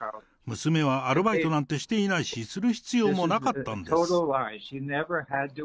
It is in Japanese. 娘はアルバイトなんてしていないし、する必要もなかったんです。